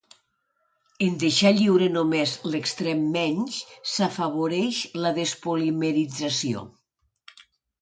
En deixar lliure només l'extrem menys, s'afavoreix la despolimerització.